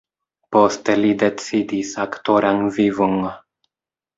Poste li decidis aktoran vivon.